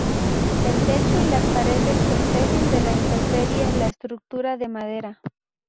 El techo y las paredes protegen de la intemperie la estructura de madera.